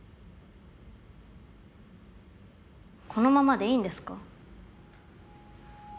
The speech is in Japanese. このままでいいんですか？